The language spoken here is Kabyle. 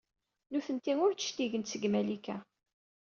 Nitenti ur d-cligent seg Malika.